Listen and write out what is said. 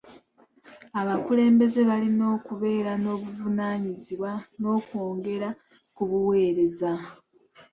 Abakulembeze balina okubeera n'obuvunaanyizibwa n'okwongera ku buweereza.